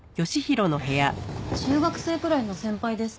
中学生ぐらいの先輩ですか？